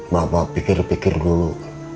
bapak pikir pikir dulu